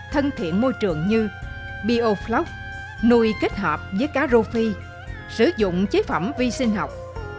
thân thiện môi trường như biofloc nuôi kết hợp với cá rô phi sử dụng chế phẩm vi sinh học